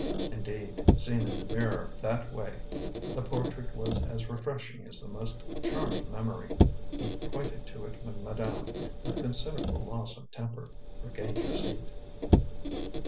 Indeed, seen in the mirror, that way, the portrait was as refreshing as the most charming memory. He pointed to it when madame, with considerable loss of temper, regained her seat.